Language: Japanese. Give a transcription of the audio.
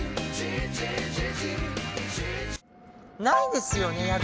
ないですよね？